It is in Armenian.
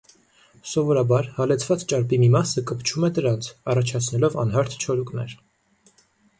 Սովորաբար հալեցված ճարպի մի մասը կպչում է դրանց՝ առաջացնելով անհարթ չորուկներ։